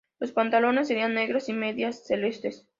Los pantalones serían negros y medias celestes.